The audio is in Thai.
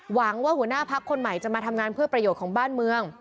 หวังว่าหัวหน้าพักคนใหม่จะมาทำงานเพื่อประโยชน์ของบ้านเมือง